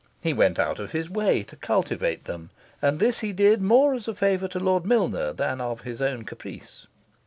He went out of his way to cultivate them. And this he did more as a favour to Lord Milner than of his own caprice.